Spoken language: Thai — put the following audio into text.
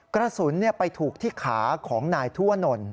กระสุนไปถูกที่ขาของนายทั่วนล